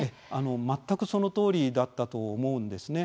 全くそのとおりだったと思うんですね。